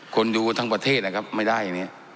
คนอยู่ทั้งประเทศนะครับไม่ได้อย่างนี้